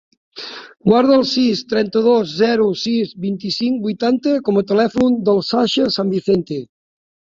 Guarda el sis, trenta-dos, zero, sis, vint-i-cinc, vuitanta com a telèfon del Sasha San Vicente.